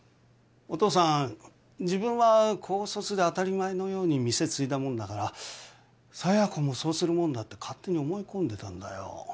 お父さん自分は高卒で当たり前のように店継いだもんだから佐弥子もそうするもんだって勝手に思い込んでたんだよ